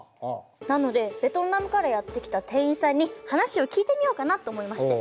なのでベトナムからやって来た店員さんに話を聞いてみようかなと思いまして。